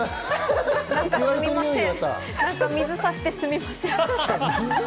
なんか水さしてすみません。